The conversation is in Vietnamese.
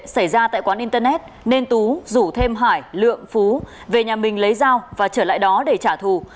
xảy ra tại quán internet nên tú rủ thêm hải lượng phú về nhà mình lấy dao và trở lại đó để trả thù